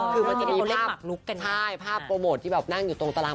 คือมันจะมีภาพลุกกันใช่ภาพโปรโมทที่แบบนั่งอยู่ตรงตาราง